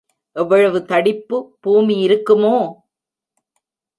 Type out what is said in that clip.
எவ்வளவு தடிப்பு பூமி இருக்குமோ?